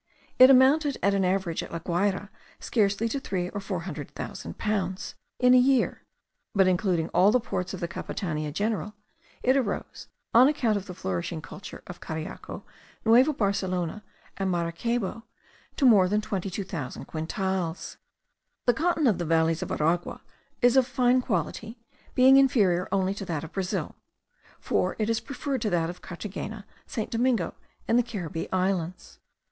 It amounted at an average at La Guayra scarcely to three or four hundred thousand pounds in a year; but including all the ports of the Capitania general, it arose, on account of the flourishing culture of Cariaco, Nueva Barcelona, and Maracaybo, to more than 22,000 quintals. The cotton of the valleys of Aragua is of fine quality, being inferior only to that of Brazil; for it is preferred to that of Carthagena, St. Domingo, and the Caribbee Islands.